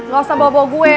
gak usah bawa bawa gue